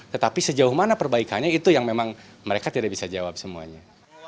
tetapi sejauh mana perbaikannya itu yang memang mereka tidak bisa jawab semuanya